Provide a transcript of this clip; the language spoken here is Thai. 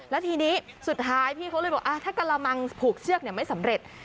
แล้วทีนี้สุดท้ายพี่เขาเลยบอกถ้ากระมังผูกเชือกไม่สำเร็จ